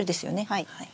はい。